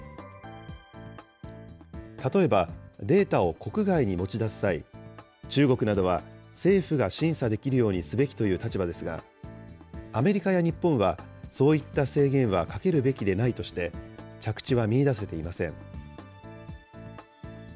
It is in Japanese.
例えばデータを国外に持ち出す際、中国などは政府が審査できるようにすべきという立場ですが、アメリカや日本は、そういった制限はかけるべきでないとして、着地は見いだせていません。